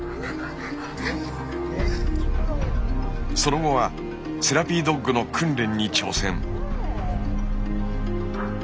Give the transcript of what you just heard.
その後はセラピードッグの訓練に挑戦。